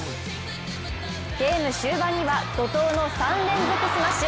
ゲーム終盤には怒とうの３連続スマッシュ。